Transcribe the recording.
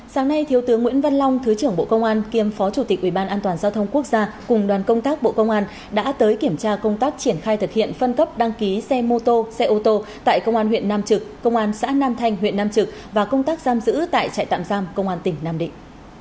sáng nay thiếu tướng nguyễn văn long thứ trưởng bộ công an kiêm phó chủ tịch ủy ban an toàn giao thông quốc gia cùng đoàn công tác bộ công an đã tới kiểm tra công tác triển khai thực hiện phân cấp đăng ký xe mô tô xe ô tô tại công an huyện nam trực công an xã nam thanh huyện nam trực và công tác giam giữ tại trại tạm giam công an tỉnh nam định